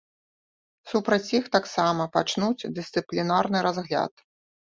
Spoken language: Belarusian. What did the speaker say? Супраць іх таксама пачнуць дысцыплінарны разгляд.